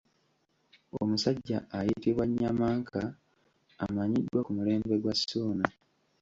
Omusajja ayitibwa Nnyamanka amanyiddwa ku mulembe gwa Ssuuna.